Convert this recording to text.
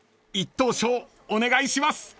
１等賞お願いします］